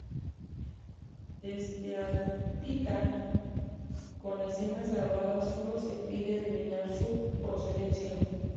De esteatita, con escenas grabadas, sólo se puede adivinar su procedencia.